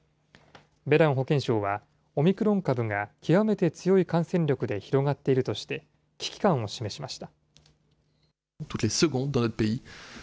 ベラン保健相は、オミクロン株が極めて強い感染力で広がっているとして、危機感を示しました。